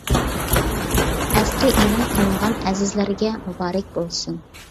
ئەسىرى ئېلان قىلىنغان ئەزىزلەرگە مۇبارەك بولسۇن!